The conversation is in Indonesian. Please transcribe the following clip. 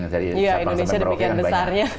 iya indonesia demikian besarnya